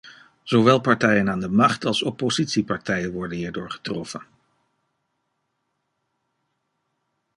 Zowel partijen aan de macht als oppositiepartijen worden hierdoor getroffen.